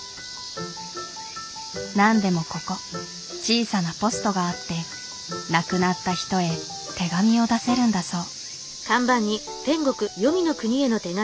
なんでもここ小さなポストがあって亡くなった人へ手紙を出せるんだそう。